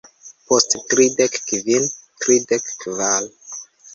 Post tridek kvin... tridek kvar